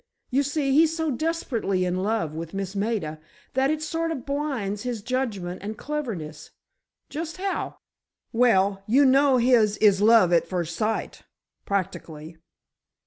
You see, he's so desperately in love with Miss Maida, that it sort of blinds his judgment and cleverness." "Just how?" "Well, you know his is love at first sight—practically."